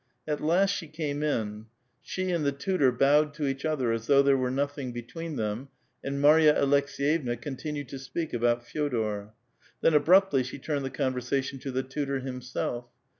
At last she came in ; she and the tutor bowed to each other as though there were nothing between them, and Marya Aleks6 jevna continued to speak about F.e6dor ; then abruptly she turned the (jonversation to the tutor himself.